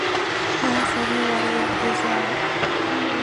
Нас ари уара иутәызааит!